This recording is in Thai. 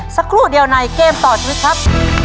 สักครู่เดียวในเกมต่อชีวิตครับ